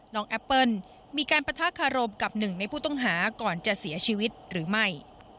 แอปเปิ้ลมีการปะทะคารมกับหนึ่งในผู้ต้องหาก่อนจะเสียชีวิตหรือไม่